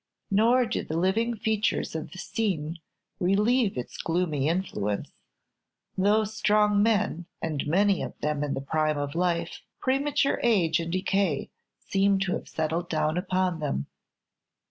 Nor do the living features of the scene relieve its gloomy influence. Though strong men, and many of them in the prime of life, premature age and decay seem to have settled down upon them.